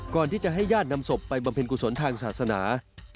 ก่อนที่จะให้ญาตินำศพไปบำเพ็ญกุศลทางศาสนา